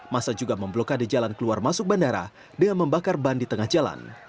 masa juga memblokade jalan keluar masuk bandara dengan membakar ban di tengah jalan